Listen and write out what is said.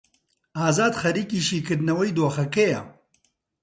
ئازاد خەریکی شیکردنەوەی دۆخەکەیە.